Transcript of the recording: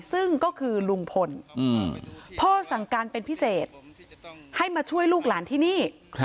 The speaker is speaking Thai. ซึ่งก็คือลุงพลพ่อสั่งการเป็นพิเศษให้มาช่วยลูกหลานที่นี่